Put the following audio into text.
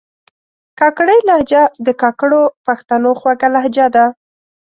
کاکړۍ لهجه د کاکړو پښتنو خوږه لهجه ده